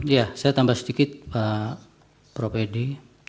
ya saya tambah sedikit pak prof edi